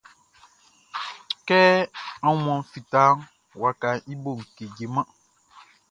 Kɛ aunmuanʼn fitaʼn, wakaʼn i boʼn kejeman.